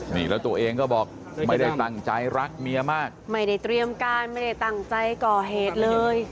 นี่แล้วตัวเองก็บอกไม่ได้ตั้งใจรักเมียมากไม่ได้เตรียมการไม่ได้ตั้งใจก่อเหตุเลย